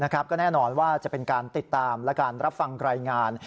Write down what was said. ก็แน่นอนว่าจะเป็นการติดตามและการรับฟังรายงาน